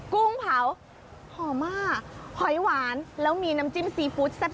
กุ้งเผาหอม่าหอยหวานแล้วมีน้ำจิ้มซีฟู้ดแซ่บ